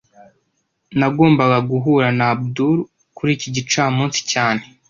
Nagombaga guhura na Abdul kuri iki gicamunsi cyane